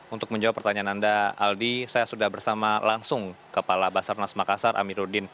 untuk menjawab pertanyaan anda aldi saya sudah bersama langsung kepala basarnas makassar amiruddin